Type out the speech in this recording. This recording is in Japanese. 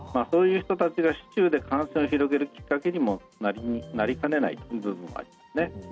そういう人たちが市中で感染を広げるきっかけにもなりかねないですね。